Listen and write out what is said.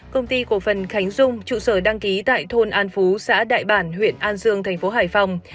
công ty cổ phần khánh dung trụ sở đăng ký tại thôn an phú xã đại bản huyện an dương thành phố hải phòng